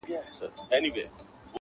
پر وطن باندي موږ تېر تر سر او تن یو،